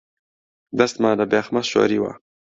دەستمان لە بێخمە شۆریوە